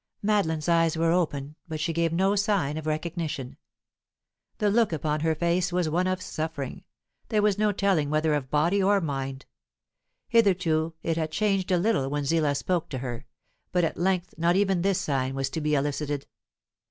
Madeline's eyes were open, but she gave no sign of recognition. The look upon her face was one of suffering, there was no telling whether of body or mind. Hitherto it had changed a little when Zillah spoke to her, but at length not even this sign was to be elicited.